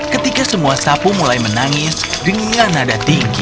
ketika semua sapu mulai menangis dengan nada tinggi